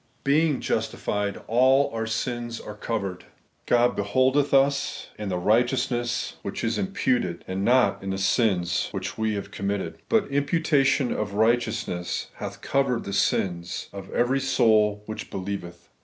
Being justified, all our sins are covered God behuldetli us in the righteousness which is imputed, and not in the sins which we have committed. But imputation of righteousness hath covered the sins of every soul which believeth.